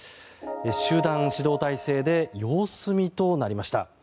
集団指導体制で様子見となりました。